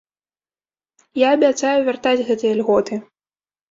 Я абяцаю вяртаць гэтыя льготы.